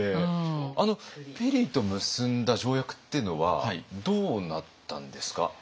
ペリーと結んだ条約っていうのはどうなったんですか？